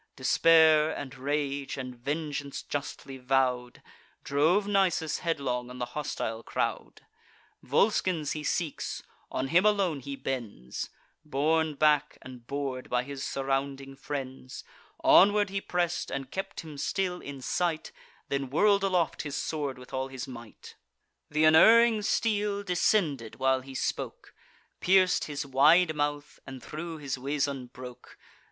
Despair, and rage, and vengeance justly vow'd, Drove Nisus headlong on the hostile crowd. Volscens he seeks; on him alone he bends: Borne back and bor'd by his surrounding friends, Onward he press'd, and kept him still in sight; Then whirl'd aloft his sword with all his might: Th' unerring steel descended while he spoke, Pierc'd his wide mouth, and thro' his weazon broke.